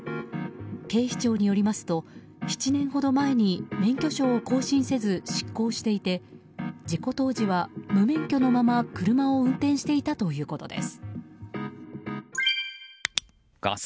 警視庁によりますと７年ほど前に免許証を更新せず失効していて事故当時は無免許のまま車を運転していたということです。